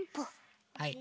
はい。